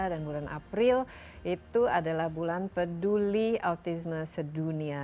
dan bulan april itu adalah bulan peduli autisme sedunia